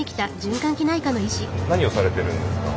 何をされてるんですか？